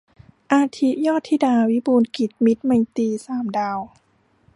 อาทิ ยอดธิดา วิบูลย์กิจ มิตรไมตรี สามดาว